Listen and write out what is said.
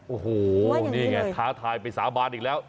โอ้โหนี่ไงท้าทายไปสาบานอีกแล้ว